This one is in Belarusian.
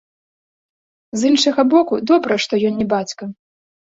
З іншага боку, добра, што ён не бацька.